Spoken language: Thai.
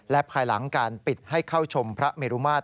และภายหลังการปิดให้เข้าชมพระเมรุมาตร